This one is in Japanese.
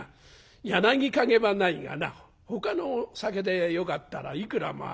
『柳陰』はないがなほかの酒でよかったらいくらもある。